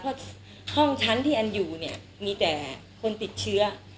เพราะห้องชั้นที่อันอยู่เนี่ยมีแต่คนติดเชื้อ